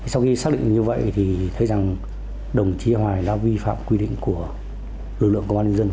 sau khi xác định như vậy thì thấy rằng đồng chí hoài đã vi phạm quy định của lực lượng công an nhân dân